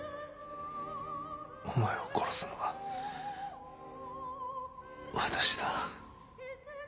お前を殺すのは私だ。